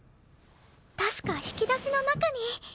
確か引き出しの中に。